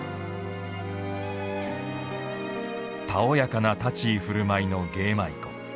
たおやかな立ち居ふるまいの芸舞妓。